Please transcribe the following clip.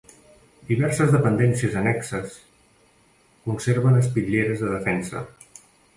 Diverses dependències annexes conserven espitlleres de defensa.